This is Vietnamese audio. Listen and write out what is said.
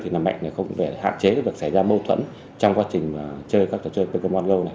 thì mạnh không để hạn chế được xảy ra mâu thuẫn trong quá trình chơi các trò chơi pokemon go này